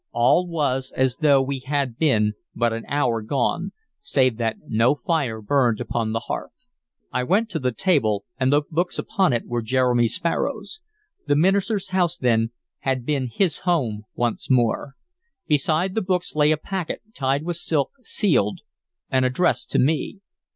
All was as though we had been but an hour gone, save that no fire burned upon the hearth. I went to the table, and the books upon it were Jeremy Sparrow's: the minister's house, then, had been his home once more. Beside the books lay a packet, tied with silk, sealed, and addressed to me.